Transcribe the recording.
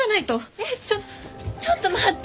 えっちょちょっと待って！